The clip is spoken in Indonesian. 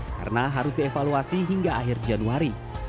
karena harus dievaluasi hingga akhir januari